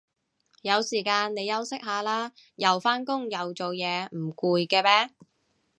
有時間你休息下啦，又返工又做嘢唔攰嘅咩